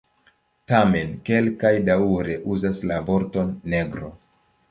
Tamen kelkaj daŭre uzas la vorton "negro".